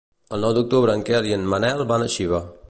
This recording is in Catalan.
El nou d'octubre en Quel i en Manel van a Xiva.